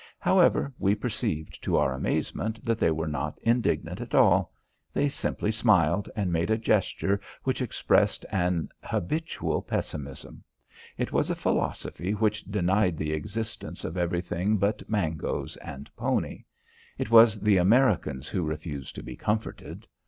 However, we perceived to our amazement that they were not indignant at all. They simply smiled and made a gesture which expressed an habitual pessimism. It was a philosophy which denied the existence of everything but mangoes and pony. It was the Americans who refused to be comforted.